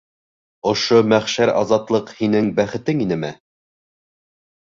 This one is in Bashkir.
Ошо мәхшәр азатлыҡ һинең бәхетең инеме?